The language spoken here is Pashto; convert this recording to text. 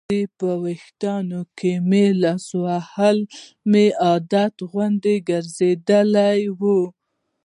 د دې په ویښتانو کې لاس وهل مې عادت غوندې ګرځېدلی و.